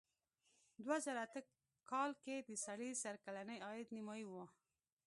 دوه زره اته کال کې د سړي سر کلنی عاید نیمايي و.